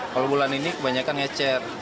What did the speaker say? kalau bulan ini kebanyakan ngecer